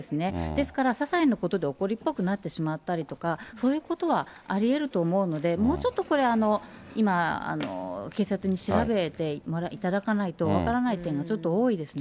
ですからささいなことで怒りっぽくなってしまったりとか、そういうことはありえると思うので、もうちょっとこれ、今、警察に調べていただかないと分からない点がちょっと多いですね。